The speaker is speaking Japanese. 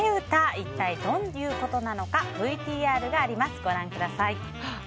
一体、どういうことなのかＶＴＲがあります。